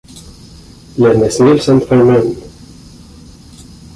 Le Mesnil-Saint-Firmin